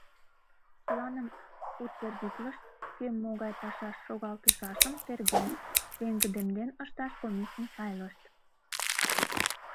Планым утвердитлышт, кӧм могай пашаш шогалтышашым терген, пеҥгыдемден ышташ комисым сайлышт.